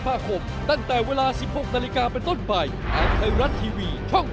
โปรดติดตามตอนต่อไป